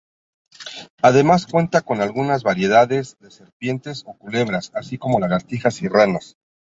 Además cuenta con algunas variedades de serpientes o culebras, así como lagartijas y ranas.